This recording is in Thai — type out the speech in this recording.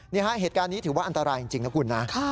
นี่ฮะเหตุการณ์นี้ถือว่าอันตรายจริงนะคุณนะ